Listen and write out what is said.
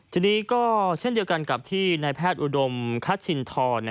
ทีนี้ก็เช่นเดียวกันกับที่นายแพทย์อุดมคัชชินทร